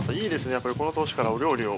やっぱりこの年からお料理を。